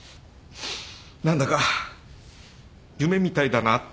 何だか夢みたいだなぁって。